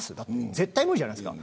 絶対、無理じゃないですか。